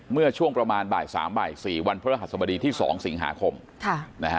เมื่อช่วงประมาณบ่ายสามบ่ายสี่วันพระหัสสมดีที่สองสิงหาคมค่ะนะฮะ